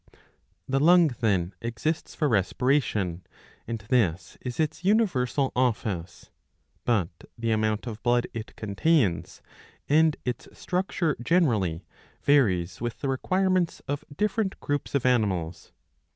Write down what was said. The lung then exists for respiration ; and this is its universal office. But the amount of blood it contains, and its structure generally, varies with the requirements of different groups of animals.